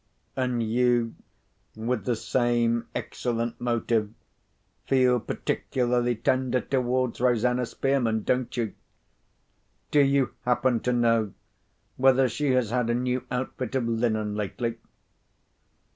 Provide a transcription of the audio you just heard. And you, with the same excellent motive, feel particularly tender towards Rosanna Spearman, don't you? Do you happen to know whether she has had a new outfit of linen lately?"